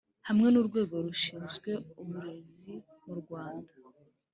Hamwe n’Urwego rushinzwe uburezi mu Rwanda